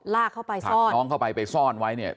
ลากเข้าไปซ่อนน้องเข้าไปไปซ่อนไว้เนี่ย